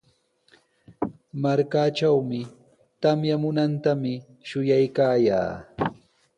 Markaatrawmi tamyamuntami shuyaykaayaa.